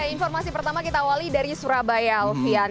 informasi pertama kita awali dari surabaya alfian